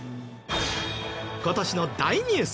今年の大ニュース